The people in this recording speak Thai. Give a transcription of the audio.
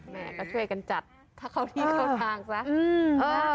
แม่ก็ช่วยกันจัดถ้าเขาที่เขาทางอืมเออ